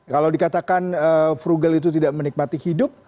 kalau dikatakan frugal itu tidak menikmati hidup